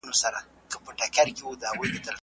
مثبت فکر کار نه ځنډوي.